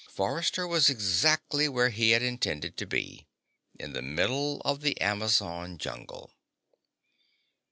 Forrester was exactly where he had intended to be: in the middle of the Amazon jungle.